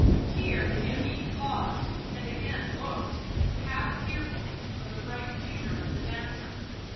Here Theirry paused, and again looked, half fearfully, for the bright figure of the dancer.